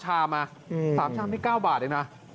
๓ชามให้๙บาทเลยนะ